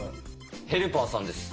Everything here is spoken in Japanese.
ヘルパーさんです。